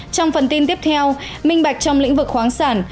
trong phần tin tiếp theo minh bạch trong lĩnh vực khoáng sản